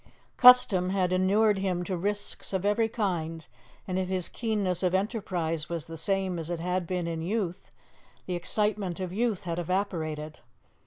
Custom had inured him to risks of every kind, and if his keenness of enterprise was the same as it had been in youth, the excitement of youth had evaporated.